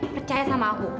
percaya sama aku